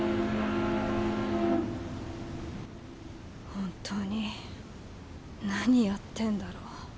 本当に何やってんだろ。